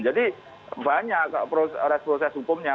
jadi banyak res proses hukumnya